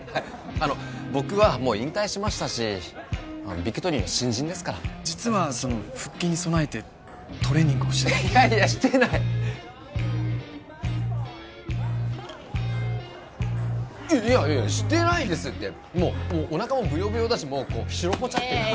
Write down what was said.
あの僕はもう引退しましたしビクトリーの新人ですから実はその復帰に備えてトレーニングをしてたりいやいやしてないいやしてないですってもうおなかもブヨブヨだしいや